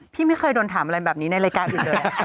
พี่ไม่เคยโดนถามอะไรแบบนี้ในรายการอื่นเลย